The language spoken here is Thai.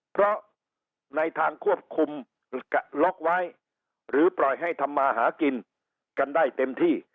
เพราะในทางควบคุมล็อกไว้หรือปล่อยให้ทำมาหากินกันได้เต็มที่